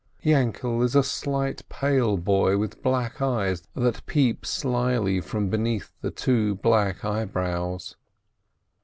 Yainkele is a slight, pale boy, with black eyes that peep slyly from beneath the two black eyebrows.